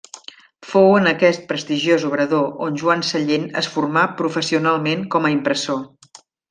Fou en aquest prestigiós obrador on Joan Sallent es formà professionalment com a impressor.